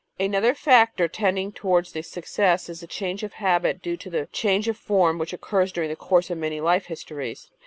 Another factor tending towards success is the change of habit due to the change of form which occurs during the course of many life histories.